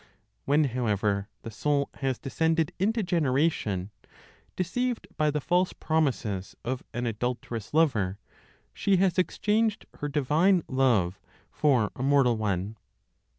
When however the soul has descended into generation, deceived by the false promises of an adulterous lover, she has exchanged her divine love for a mortal one.